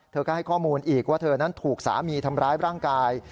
เธอก็ให้ข้อมูลอีกว่าเธอนั้นถูกสามีทำร้ายร่างกาย